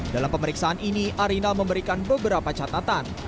dalam pemeriksaan ini arinal memberikan beberapa catatan